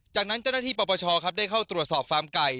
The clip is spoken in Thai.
จากนั้นเจ้าหน้าที่ปปชครับได้เข้าตรวจสอบฟาร์มไก่